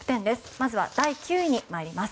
まずは第９位に参ります。